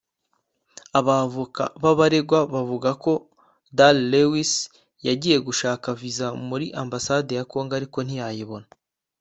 Abavoka b’abaregwa bavuze ko Daryl Lewis yagiye gushaka visa muri Ambasade ya Congo ariko ntiyayibona